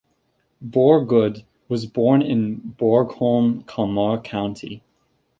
Borgudd was born in Borgholm, Kalmar County.